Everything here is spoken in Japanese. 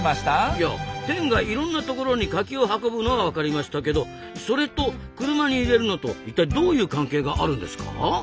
いやテンがいろんな所にカキを運ぶのはわかりましたけどそれと車に入れるのといったいどういう関係があるんですか？